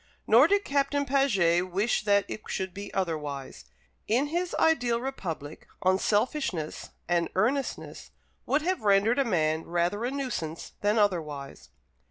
Nor did Captain Paget wish that it should be otherwise. In his ideal republic, unselfishness and earnestness would have rendered a man rather a nuisance than otherwise.